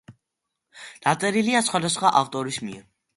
დაწერილია სხვადასხვა ავტორის მიერ.